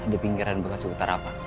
di pinggiran bekasi utara pak